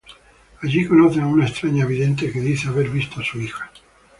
Allí conocen a una extraña vidente que dice haber visto a su hija.